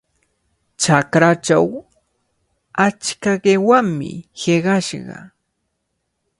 Chakrachaw achka qiwami hiqashqa.